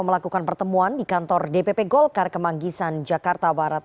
melakukan pertemuan di kantor dpp golkar kemanggisan jakarta barat